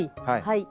はい。